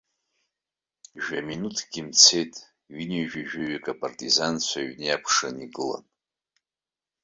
Жәаминуҭкгьы мцеит ҩынҩажәижәаҩык апартизанцәа аҩны иакәшаны игылан.